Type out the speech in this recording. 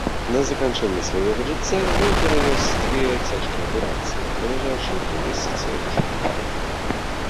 На заканчэнне свайго жыцця ён перанёс дзве цяжкія аперацыі, праляжаўшы тры месяцы ў шпіталі.